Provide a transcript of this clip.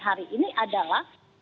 hari ini adalah